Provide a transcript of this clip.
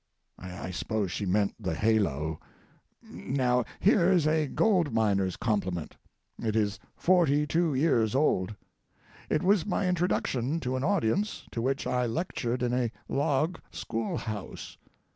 I suppose she meant the halo. Now here is a gold miner's compliment. It is forty two years old. It was my introduction to an audience to which I lectured in a log school house.